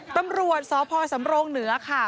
ตำรวจสพสำรงเหนือค่ะ